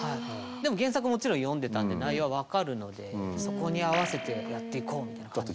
でも原作もちろん読んでたんで内容は分かるのでそこに合わせてやっていこうみたいな感じですね。